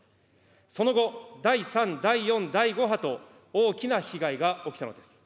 その後、第３、第４、第５波と、大きな被害が起きたのです。